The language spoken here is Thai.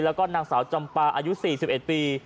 แล้วก็นางสาวจำปาอายุ๔๑ปี